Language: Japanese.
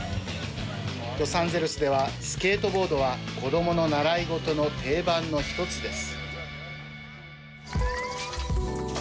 ロサンゼルスではスケートボードは子どもの習い事の定番の１つです。